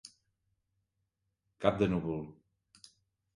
Cap de núvol.